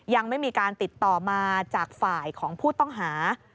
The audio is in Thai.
ยังไม่มีการติดต่อมาจากฝ่ายของผู้ต้องหา